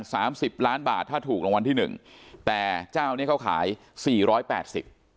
สิบล้านบาทถ้าถูกรางวัลที่หนึ่งแต่เจ้าเนี้ยเขาขายสี่ร้อยแปดสิบ